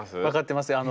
分かってます？